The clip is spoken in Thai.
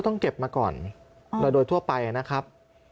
ต้องเก็บมาก่อนโดยทั่วไปนะครับ